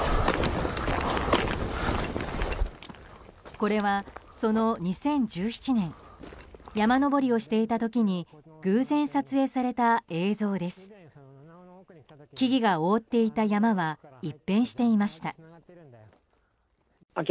これは、その２０１７年山登りをしていた時に偶然撮影された映像です。